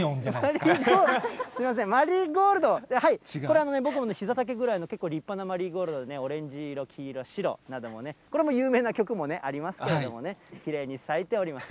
すみません、マリーゴールド、これ、僕のひざ丈ぐらいの、結構立派なマリーゴールドでね、オレンジ色、黄色、白なども、これも有名な曲もね、ありますけれどもね、きれいに咲いております。